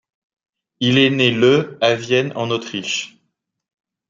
Il est né le à Vienne en Autriche.